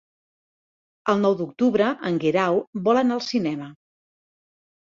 El nou d'octubre en Guerau vol anar al cinema.